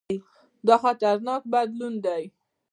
دا خطرناک بدلون دی.